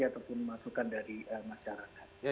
ataupun masukan dari masyarakat